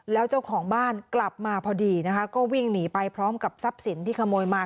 แล้วเจ้าของบ้านกลับมาพอดีนะคะก็วิ่งหนีไปพร้อมกับทรัพย์สินที่ขโมยมา